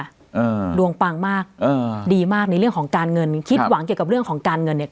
อ่าดวงปังมากอ่าดีมากในเรื่องของการเงินคิดหวังเกี่ยวกับเรื่องของการเงินเนี้ย